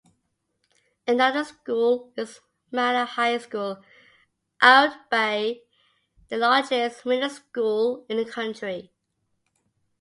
Another school is Manor High School, Oadby, the largest middle school in the country.